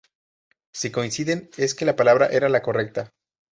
Si coinciden, es que la palabra era la correcta.